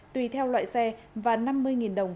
tùy theo loại xe và năm mươi đồng